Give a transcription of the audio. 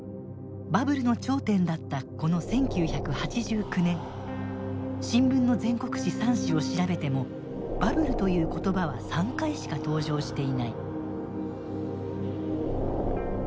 バブルの頂点だったこの１９８９年新聞の全国紙３紙を調べてもバブルという言葉は３回しか登場していない。